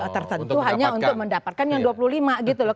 tertentu hanya untuk mendapatkan yang dua puluh lima gitu loh